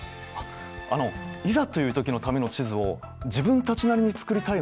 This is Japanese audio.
あのいざという時のための地図を自分たちなりに作りたいのですが。